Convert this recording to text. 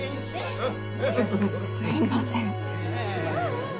すいません。